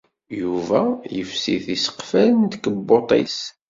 Yuba yefsi tiseqfal n tkebbuḍt-is.